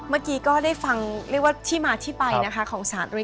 อเรนนี่ก็ได้ฟังเรียกว่าที่มาที่ไปนะคะของศาลตรงนี้